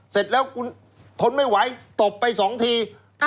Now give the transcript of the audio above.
เสร็จแล้วทนไม่ไหวตบไปสองที